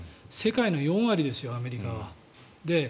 世界の４割ですよアメリカは。